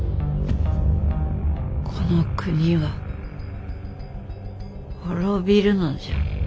この国は滅びるのじゃ。